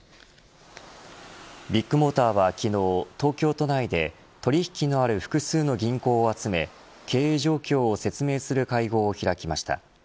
ビッグモーターは昨日東京都内で取引のある複数の銀行を集め経営状況を説明する会合を開きました。